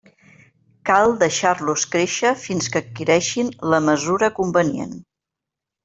Cal deixar-los créixer fins que adquireixin la mesura convenient.